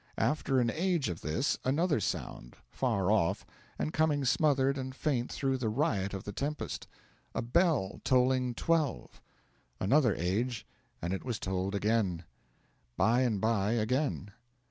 After an age of this, another sound far off, and coming smothered and faint through the riot of the tempest a bell tolling twelve! Another age, and it was tolled again. By and by, again.